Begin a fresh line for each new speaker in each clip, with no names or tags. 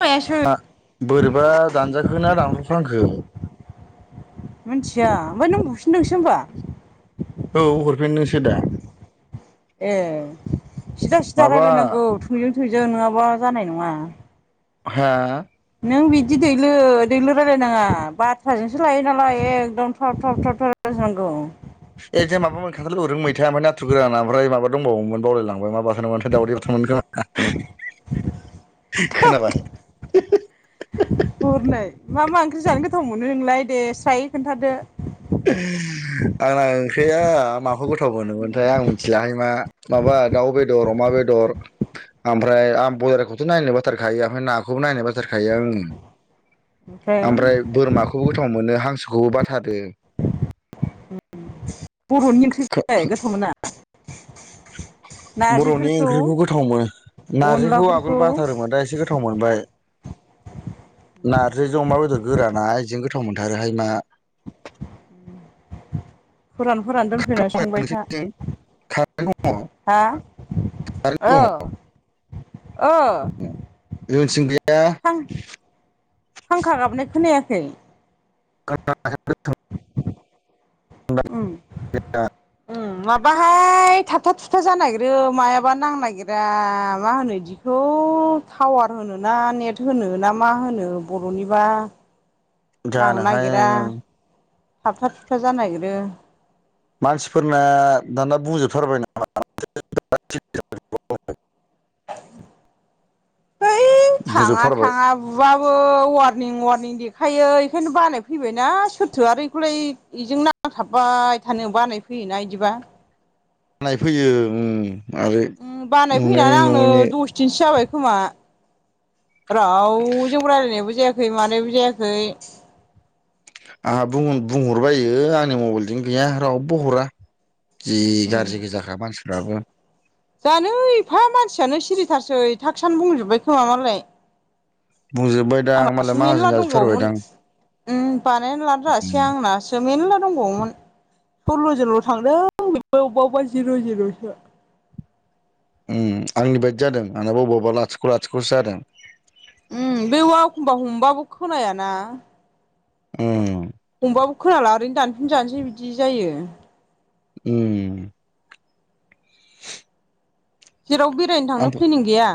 [unintelligible] एसो
बोरैबा दानजाखो ना दानहरफ्लांखो
मिनथिया ओमफ्राय नों बुफिनदोंसो होमबा
औ हरफिनदोंसो दा
ए सिदा सिदा
माबा
रायजलायनांगौ थोंजों थोंजों नङाबा जानाय नङा
हा
नों बिदि दैलो दैलो रायलायनाङा बाथ्राजोंसो लायो नालाय एखदम थाब थाब थ थाब नांगौ
एजे माबा मोन खान्थाल बेगरजों मैथा ओमफ्राय नाथुर गोराना ओमफ्राय माबा दंबावोमोन बावलायलांबाय मा बाथोनमोनथाय दावदै बाथोनमोन खोमा खोनाबाय
हरनै मा मा ओंख्रि जानो गोथाव मोनो नोंलाय दे स्रायै खोन्थादो
आंना ओंख्रिया माखौ गोथाव मोनोमोनथाय आं मिथिलाहाय मा माबा दाउ बेदर अमा बेदर ओमफ्राय आं बयलारखौथ' नायनो बाथारखायो ओमफ्राय नाखौबो नायनो बाथारखायो आङो ओमफ्राय बोरमाखौबो गोथाव मोनो हांसोखौबो बाथारो
बर'नि ओंख्रि गोथावमोना
बर'नि ओंख्रिखौ गोथाव मोनो नारजिखौ आगोल
अनलाफोरखौ
बाथारोमोन दा एसे गोथाव गोथाव मोनबाय नारजिजों अमा बेदर गोराना बिजों गोथाव मोनथारोहाय मा
फोरान फोरान दोनफैनानै संबाय था
नोंसोरनिथिं कारेन्ट दङ कारेन्ट
हा औ
दङ
औ
दोन सिं गैया
फां फांखा गाबनाय खोनायाखै
[unintelligible]
उम
बे [unintelligible]
उम माबाहाय थाबथा थुुबथा जानाय नागिरो मायाबा नांनायागिरा मा होनो दि बेखौ टावार होनो ना नेट होनो ना मा होनो बर'निबा नांनो
जानोहाय
नागिरा थाबथा थुबथा जानो नागिरो
मानसिफोरना दाना बुजोबथारबायना द [unintelligible]
है थाङा
बुंजोबथारबाय
थाङा बुबाबो वारनिं वारनिं देखायो बेखायनो बानाय फैबायना सोरथो आरो बेखौलाय बेजों नांथाबबाय थानो बानायफैयोना बिदिबा
बानाय फैयो उम आरो
बानायफैनानै
नुनायनि
आंनो
नङैनि
दस दिनसो जाबाय खोमा रावजोंबो राय्लायनायबो जायाखै मानायबो जायाखै
आंहा बुं बुंहरबायो आंनि मबाइलजों गैया रावबो हरा जि
उम
गाज्रि गोजाखा मानसिफ्राबो
जानो एफा मानसियानो सिरिथारसै टास्कानो बुंजोबबाय खोमा मालाय
बुंजोबबायदां
आंनासो
मालाय
मेरला
माहाजोन
दंबावोमोन
जाजोबथारबायदां
उम बानायना लानोरोङासै
उम
आंना सो मेरला दंबावोमोन सल्ल' जोनल' थांदों बेबो अबेबा अबेबा जिर' जिर'सो
उम आंनि बायदि जादों आंबो अबबा अबावबा लाथिख' लाथिख'सो जादों
उम बे एखमबा हमबाबो खोनायाना
उम
हमबाबो खोनाला ओरैनो दानफिन जानोसै बिदि जायो।
उम [inaudible]
जेरावबो बेरायनो थांनो
आंबो
प्लेनिं गैया?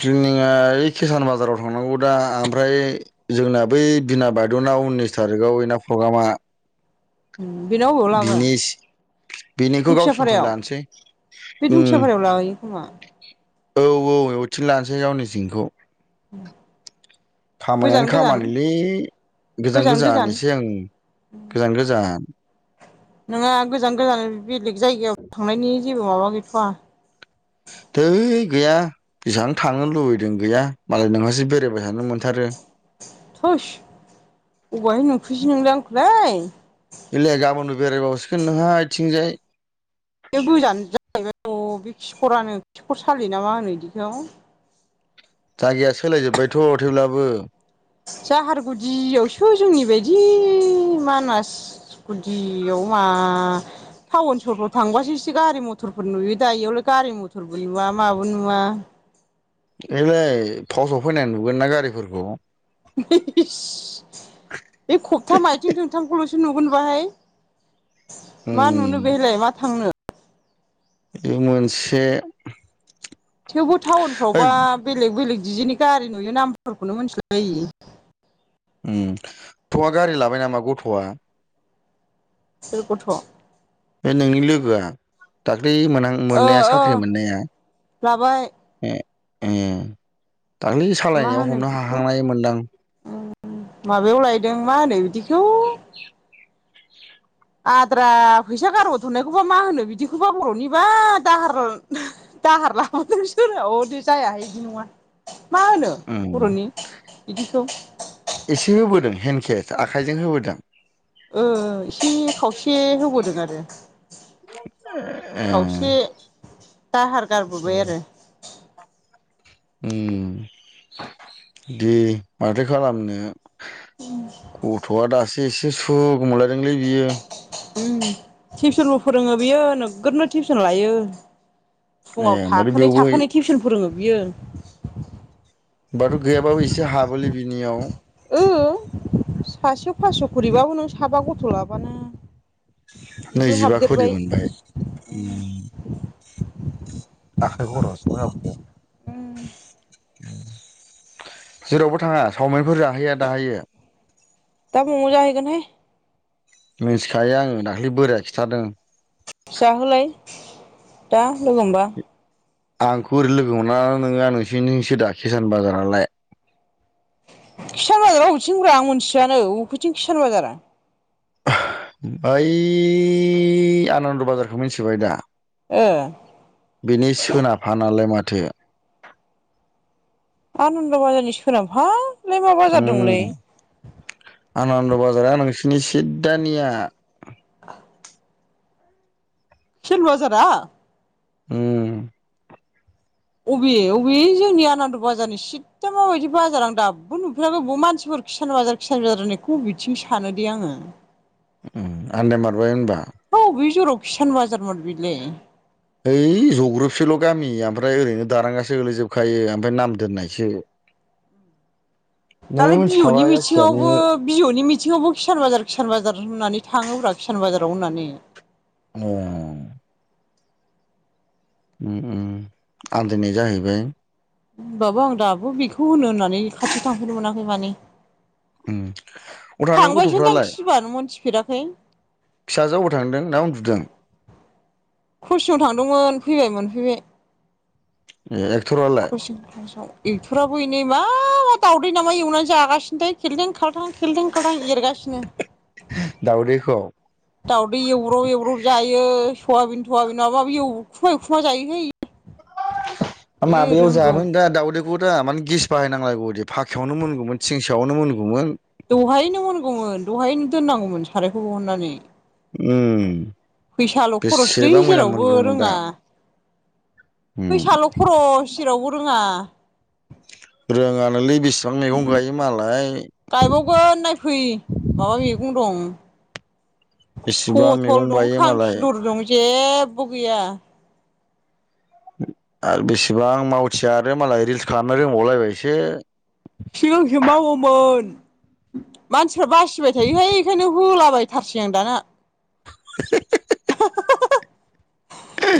प्लेनिंआ ओइ किसान बाजाराव थांनांगौ दा ओमफ्राय जोंना बै बिना बारद'नाव उननिस थारिकआव इना प्रग्रामा।
बेना अबेयाव लागोन?
बिनि बेनिखौ गावसिनिथिं
दुंखियापारायाव
लानोसै
बे
उम
दुंखियापारायाव लाहैयो खोमा
औ औ बिथिं लानोसै गावनि थिंखौ
[inaudible]
खामानियानो
गोजान
खामानिलै गोजान गोजान इसे उम गोजान गोजान।
नोंहा गोजान गोजान बेलेग जायगायाव थांनायनि जेबो माबा गैथ'वा?
धोय गैया बेसां थांनो लुबैदों गैया मालाय नोंहासो बेरायबाय थानो मोनथारो।
होस अबायहाय नुखोसै नोंलाय आंखौलाय।
इलाय गाबोनबो बेरायबावसिगोन नोंहा इथिंजाय
बे गोजान जाहैबाय बे खिखरानो खिखर सालि नामा होनो इदिखौ?
जायगाया सोलायजोब्बायथ' थेब्लाबो
जाहारगुदियावसो जोंनि बायदि मानास गुदियाव मा टाउन सहराव थांबासो एसे गारि मथरफोर नुयो दा इयावलाय गारि मथरबो नुवा माबो नुवा।
ओयलाय फावसाव फैनाय नुगोन ना गारिफोरखौ।
इस बे खब्थाम आइथिं थोंथामखौल'सो नुगोन बाहाय। मा
उम
नुनो बेहायलाय मा थांनो
बे मोनसे
थेवबो
ओइ
टाउनफ्रावबा बेलेग बेलेग दिजेननि गारि नुयो नामफोरखौनो मोनथिलायि
उम थ'आ गारि लाबाय नामा गथ'आ?
सोर गथ'?
बे नोंनि लोगोआ दाख्लै मोनहां
ओ
मोननाया
ओ
साख्रि मोननाया?
लाबाय
ए ए दाख्लै सालायनायाव हमनो हाखांनाय मोनदां
औ औ माबायाव लायदों मा होनो बिदिखौ आद्रा फैसा गारहरथ'नायखौबा मा होनो बिदिखौबा बर'निबा दाहार दाहार लाबादों सोरनाव अदि जायाहाय इदि नङा। मा होनो
उम
बर'नि बिदिखौ?
एसे होबोदों हेन्द केेस आखाइजों होबोदों?
ओ एसे खावसे होबोदों आरो।
[unintelligible]
खावसे दाहार गारबोबाय आरो
उम दे माथो खालामनो गथ'आ दासो एसे सुख मोनलायदोंलै बियो।
उम टिउसनबो फोरोङो बियो नोगोदनो टिउसन लायो।
ए
फुङाव
माथो
थाखोनै-
बेवबो
थाखोनै टिउसन फोरोङो बियो।
बाथ' गैयाबाबो एसे हाबोलै बिनियाव।
ओ सासेयाव फास' खरिबाबो नों साबा गथ' लाबानो इबो
नैजिबा खरि
हाबदेरबाय
मोनबाय। उम आखाय खरस [unintelligible]
उम
जेरावबो थाङा चावमिनफोर जाहोया दाहोयो।
दा म'म जाहैगोनहाय।
मिथिखायो आङो दाखलि बोराया खिथादों।
जाहोलाय दा लोगो हमबा।
आंखौ ओरै लोगो मोनाना नोङो नोंसिनिसो दा कसान बाजारालाय।
किसान बाजाराव हबथिंग्रा आं मिथिआानो उबेथिं किसान बाजारा।
ऐ आनन्द बाजारखौ मिथिबाय दा
ओ
बिनि सोनाबफ नालाय माथो।
आनन्द बाजारनि सोनाबहालै मा बाजार दंलै?
उम आनन्द बाजारा नोंसोरनि सिद्दानिया ‌।
आ सिल बाजारा।
उ
बबे बबे जोंनि आनन्द बाजारनि सिद दा माबायदि बाजार आं दाबो नुफेराखै बबाव मानसिफोर खिसान बाजार खिसान बाजार होननायखौब बिथिं सानोदै आङो।
उम आन्दाय मारबाय होनबा?
हा अबे जराव किसान बाजारमोन बिलाय।
ओइ जग्रबसेल' गामि ओमफ्राय ओरैनो दारांगासो गोलैजोबखायो ओमफ्राय नाम दोननायसो। [inaudible] नोंबो
दालाय बिअनि
मिथिखाबाय जायखिजाया
मिथिङावबो
नोङो
बिवनि मिथिङावबो किसान बाजार किसान बाजार होननानै थाङोब्रा किसान बाजाराव होननानै।
ए उम उम आन्दायनाय जाहैबाय।
होनोमबाबो आं दाबो बेखौ होनो होननानै खाथि थांफेरनो मोनाखै माने।
उम अब्ला नों
थांबायसो दां
गथ'फ्रालाय
खिबानो मोनथिफेराखै।
फिसाजोआ अबाव थांदों ना उन्दुदों?
ख्रसिङाव थांदोंमोन फैबाय मोनफैबाय।
ए एखथरा
ख्रसिं ख्लासाव एथरा बैनै मा मा दावदै नामा एवनानै जागासिनो थाय खेलदें खालथां खेलदें खालथां एरगासिनो। [unintelligible]
दाउदैखौव।
दाउदै एवब्रब एवब्रब जायो सयाबिन थवाबिन माबाबो एवखुमा एखुमा जायोहै।
माबायाव
रोंगौ
जाबोन दा दाउदै दा माने गेस बाहायनांलायगौ दे फाख्खयावनो मोनगौमोन थिंसायावनो मोनगौमोन।
दहायैनो मोनगौमोन दहायैनो दोननांगौमोन सारायखौ दिहननानै।
उम
खरसलै
बेसेबां मोजां
जेरावबो
मोनगौमोन दा।
रोङा
उम
फैसाल' खरस जेरावबो रोङा।
रोङानोलै बेसेबां मैगं गायो मालाय।
गायबावगोन नायफै माबा मैगं दं।
बेसेबां
पथल
मैगं
दं
गायो मालाय
खांखिलर दं जेबो गैया।
आरो बेसेबां मावथिया आरो मालाय रिल्स खालामनो रोंबावलायबाय सो।
सिगांसो मावोमोन मानसिफ्रा बासिबाय थायोहाय बेखायनो होलाबाय थारसै आं दाना।
[unintelligible]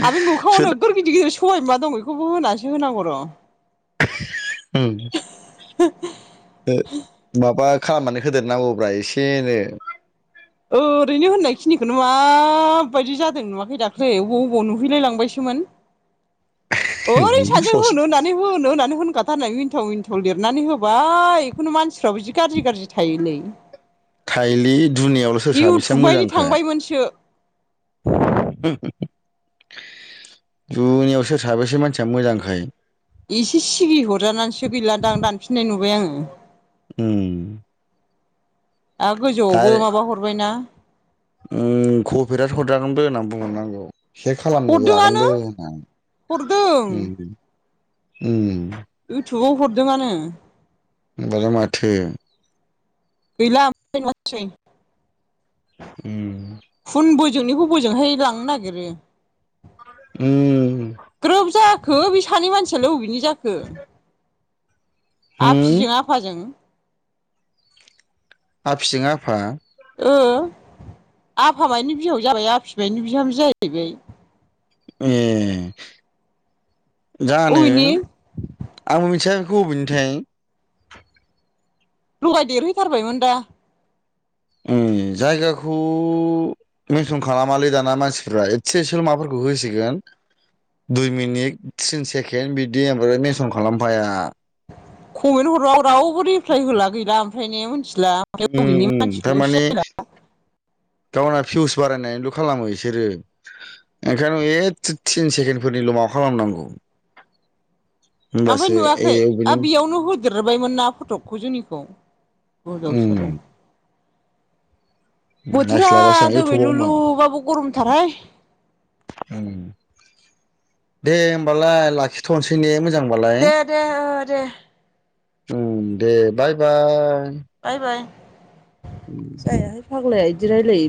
आरो बे मोखाङावनो
सोर
नोगोर गिदिर गिदिर सबाय बिमा दं बेखौबो होनाससो होनांगौ र'।
ओं
हो
ओ माबा खालामनानै होदेरनांगौब्रा एसे एनो।
ओरैनो होननायखिनिखौनो माबायदि जादों नुवाखै दाख्लै बबाव बबाव नुहैलायलांबायसोमोन।
[inaudible]
ओरैनो सानैजों होनो होनना नै होनो होननानै होनखाथारनानै मिनथाव मिनथाव लिरनानै होबाय खुनु मानसिफ्राबो जि गाज्रि गाज्रि थायोलै
थायोलि दुनियावल' सोर साबेसेया मोजांखाय
मोनसो
दुनिया याव सोर साबैसे मानसिया मोजांखाय
एसे सिगि हरजानानैसो गैलादां दानफिननाय नुबाय आङो
ओ
आरो गोजौआवबो माबा हरबाय ना
कपेरायद हरजागोनबो होनना बुंहरनांगौ से खालामनो
हरदोंआनो
जागोनबो
हरदों
होननानै ओ ओ
इउटुबाव हरदों आनो
होमबालाय माथो
गैला [inaudible] मसै
उ
खुन बोजोंनिखौ बोजोंहाय लांनो नागिरो
ओ
ग्रोब जाखो बे सानै मानसियालाय अबेनि जाखो
होम
आफिजों आफाजों
आफिजों आफा
ओ आफामाइनि बिहाव जाबाय आफि माइनि बिहाम जाहैबाय
ए जानो
अबेनि
आंबो मिथिया बेखौ अबेनिथाय
लगाय देरहैथारबायमोन दा
ए जायगाखौ मेनसन खालामालै दाना मानसिफ्रा एसे एसेल' माबाफोरखौ होसिगोन दुइ मिनिट थिन सेकेन्ड बिदि ओमफ्राय मेनसन खालामफाया
कमेन्ट हरबाव रावबो रिप्लाय होला गैला ओमफ्राय ने मिथिला म
उम
बबेनि
उम
मानसिखौबो
थारमाने
सिनायला
गावना फिउस बारायनानैल' खालामो बिसोरो ओंखायनो ए थिन सेकेणडफोरनिल' माबा खालामनांगौ
ओमफ्राय
होमबासो ए
नुवाखै आ
अबेनि
बेयावनो हो देबायमोन ना फटकखौ जोंनिखौ गोदाव सोराव बोथोरा
नायस्लाबासो आं इउटुबाव मा
दहैलुलुबाबो गरमथार हाय
दे होमबालाय लाखिथ'नोसै ने मोजां
दे दे ओ दे
ओ दे बाय बाय
बाय बाय
उ [inaudible]
जायाहाय फाग्लाया बिदि रायलायो।